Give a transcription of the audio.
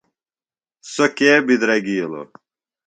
سوۡ کے بُدرَگِیلوۡ؟